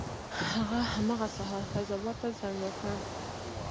هغه همغه سهار فیض اباد ته زنګ وکړ.